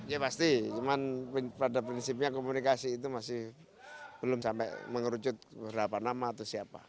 ya pasti cuman pada prinsipnya komunikasi itu masih belum sampai mengerucut berapa nama atau siapa